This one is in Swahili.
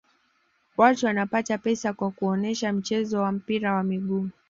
watu wanapata pesa kwa kuonesha mchezo wa mpira wa miguu